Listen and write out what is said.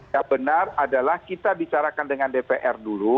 yang benar adalah kita bicarakan dengan dpr dulu